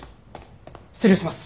失礼します！